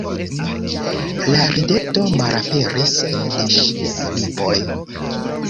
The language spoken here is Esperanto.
La rideto malaperis de ŝiaj lipoj.